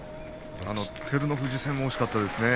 あの照ノ富士戦も惜しかったですね。